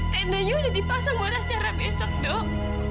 tendanya udah dipasang buat hasil haram besok dok